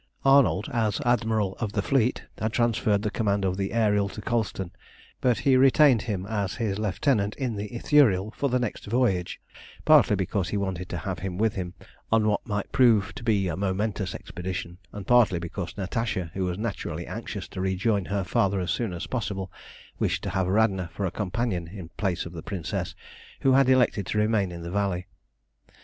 Arnold, as admiral of the fleet, had transferred the command of the Ariel to Colston, but he retained him as his lieutenant in the Ithuriel for the next voyage, partly because he wanted to have him with him on what might prove to be a momentous expedition, and partly because Natasha, who was naturally anxious to rejoin her father as soon as possible, wished to have Radna for a companion in place of the Princess, who had elected to remain in the valley.